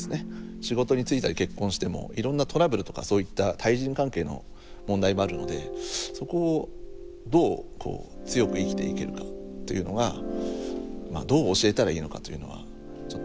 仕事についたり結婚してもいろんなトラブルとかそういった対人関係の問題もあるのでそこをどうこう強く生きていけるかというのはまあどう教えたらいいのかというのはちょっと。